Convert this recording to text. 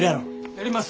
やります。